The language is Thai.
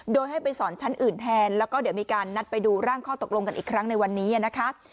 โดยให้ไปสอนชั้นอื่นแทนแล้วก็เดี๋ยวมีการนัดไปดูร่างข้อตกลงกันอีกครั้งในวันนี้นะคะ